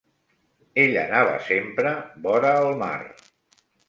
Ell anava sempre vora el mar